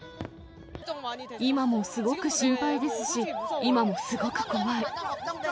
今もすごく心配ですし、今もすごく怖い。